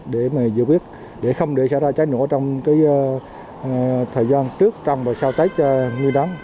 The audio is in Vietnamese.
để mà giữ biết để không để xảy ra cháy nổ trong thời gian trước trong và sau tách nguyên đám